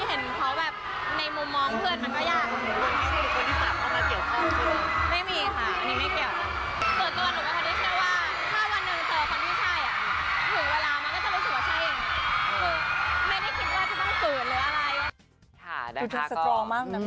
ส่วนตัวหนูก็ค่อนข้างเชื่อว่าถ้าวันหนึ่งเจอคนที่ใช่ถึงเวลามันก็จะรู้สึกว่าใช่เอง